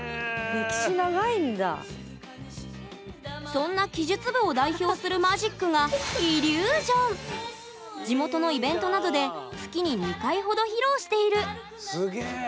そんな奇術部を代表するマジックが地元のイベントなどで月に２回ほど披露しているすげえ！